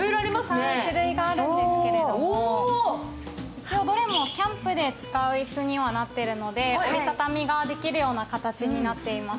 一応どれもキャンプで使う椅子にはなっているので、折りたたみができるような形になっています。